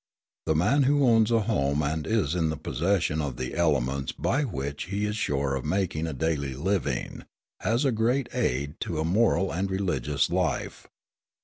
The man who owns a home and is in the possession of the elements by which he is sure of making a daily living has a great aid to a moral and religious life.